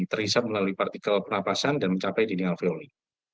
terisap melalui partikel perapasan dan mencapai di dengal violi